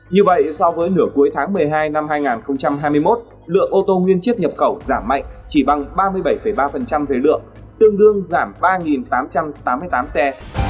như vậy so với nửa cuối tháng một mươi hai năm hai nghìn hai mươi một lượng ô tô nguyên chiếc nhập khẩu giảm mạnh chỉ bằng ba mươi bảy ba về lượng tương đương giảm ba tám trăm tám mươi tám xe